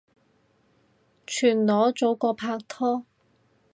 全裸早過拍拖